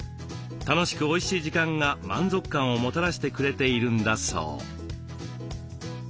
楽しくおいしい時間が満足感をもたらしてくれているんだそう。